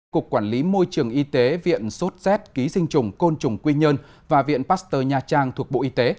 cục quản lý môi trường y tế viện sốt z ký sinh trùng côn trùng quy nhơn và viện pasteur nha trang thuộc bộ y tế